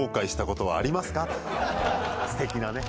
すてきなね。